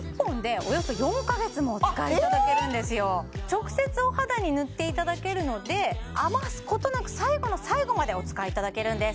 直接お肌に塗っていただけるので余すことなく最後の最後までお使いいただけるんです